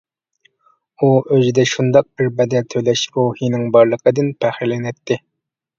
ئۇ ئۆزىدە شۇنداق بىر بەدەل تۆلەش روھىنىڭ بارلىقىدىن پەخىرلىنەتتى.